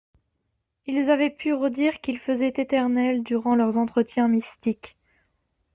Ils avaient pu redire qu'il faisait éternel durant leurs entretiens mystiques.